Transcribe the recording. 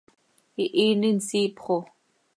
¡Ihiini nsiip xo!